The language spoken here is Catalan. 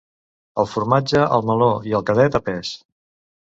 El formatge, el meló i el cardet, a pes.